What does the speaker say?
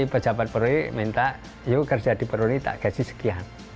pejabat peruwi minta yuk kerja di peruli tak gaji sekian